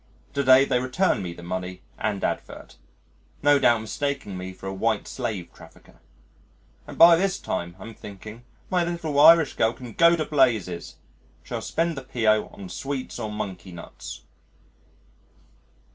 To day they return me the money and advert, no doubt mistaking me for a White Slave trafficker. And by this time, I'm thinking, my little Irish girl can go to blazes. Shall spend the P.O. on sweets or monkey nuts.